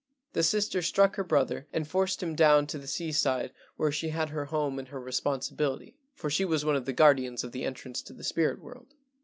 The sister struck her brother and forced him down to the seaside where she had her home A VISIT TO THE KING OF GHOSTS 107 and her responsibility, for she was one of the guardians of the entrance to the spirit world.